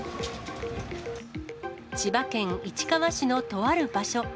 千葉県市川市のとある場所。